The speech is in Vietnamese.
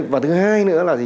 và thứ hai nữa là